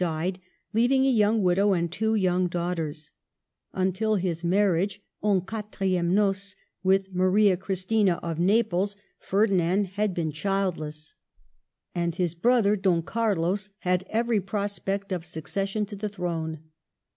died, leaving a young widow Spain and two young daughters. Until his marriage {en quatriemes ^ocea) with Maria Christina of Naples Ferdinand had been childless, 1841] THE QUADRUPLE ALLIANCE 151 and his brother Don Carlos had every prospect of succession to the throne.